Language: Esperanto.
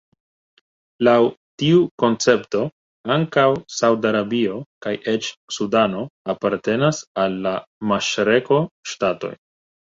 Laŭ tiu koncepto ankaŭ Saud-Arabio kaj eĉ Sudano apartenas al la maŝreko-ŝtatoj.